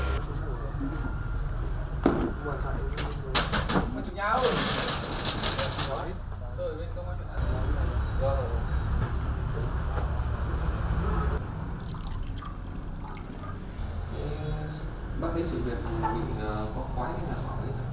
bác thấy sự việc bị có khói hay là khói